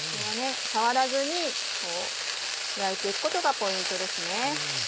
触らずに焼いて行くことがポイントです。